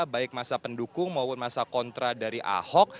baik masa pendukung maupun masa kontra dari ahok